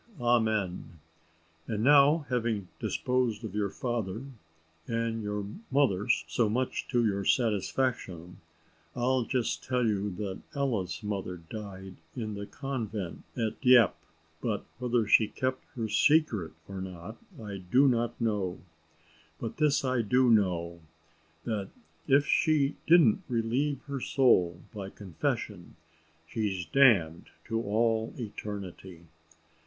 Amen! "And now having disposed of your father and your mother so much to your satisfaction, I'll just tell you that Ella's mother died in the convent at Dieppe, but whether she kept her secret or not I do not know; but this I do know, that if she didn't relieve her soul by confession, she's damned to all eternity.